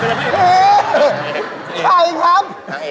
ใช่ครับ